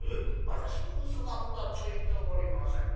私は嘘なんぞはついておりません。